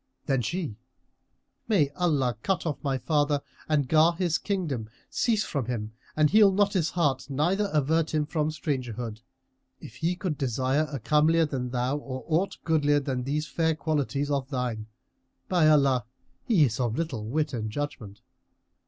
Then she, "May Allah cut off my father and gar his kingdom cease from him and heal not his heart neither avert from him strangerhood, if he could desire a comelier than thou or aught goodlier than these fair qualities of thine! By Allah, he is of little wit and judgment!"